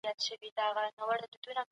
سياسي واک په دولت کي متمرکز دی.